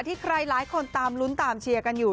ที่ใครหลายคนตามลุ้นตามเชียร์กันอยู่